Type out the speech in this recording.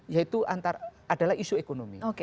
yaitu adalah isu ekonomi